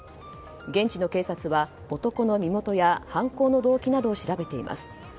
現地の警察は、男の身元や犯行の動機などを調べています。